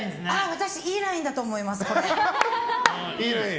私、いいラインだと思います。